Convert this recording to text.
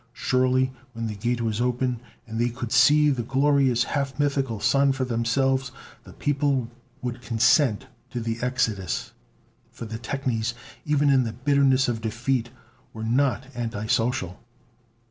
Surely, when the Gate was open, and they could see the glorious, half mythical Sun for themselves, the people would consent to the Exodus! For the technies, even in the bitterness of defeat, were not anti social.